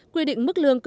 quy định mức lương cơ sở